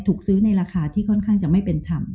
ถูกซื้อในราคาที่ค่อนข้างจะไม่เป็นธรรม